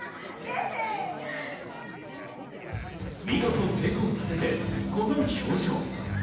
見事成功させて、この表情。